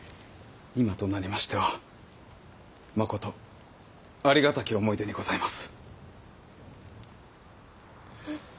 今となりましてはまことありがたき思い出にございます。